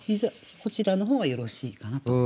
こちらの方がよろしいかなと。